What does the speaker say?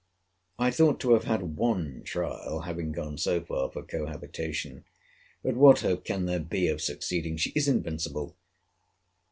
I thought to have had one trial (having gone so far) for cohabitation. But what hope can there be of succeeding?—She is invincible!